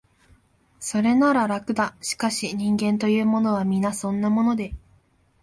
それなら、楽だ、しかし、人間というものは、皆そんなもので、